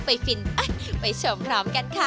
ฟินไปชมพร้อมกันค่ะ